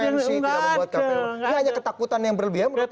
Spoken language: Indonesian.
ini hanya ketakutan yang berlebihan menurut anda